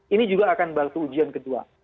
ini juga akan berlaku ujian kedua